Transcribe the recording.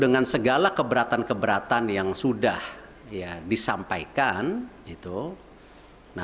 dengan segala keberatan keberatan yang sudah disampaikan